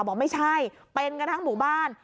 บอกไม่ใช่เป็นกันทั้งหมู่บ้าน